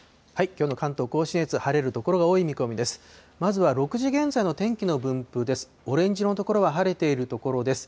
きょうの関東甲信越、晴れる所が多い見込みです。